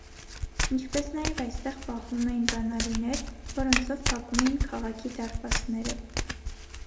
Ինչպես նաև այստեղ պահվում էին բանալիներ, որոնցով փակում էին քաղաքի դարպասները։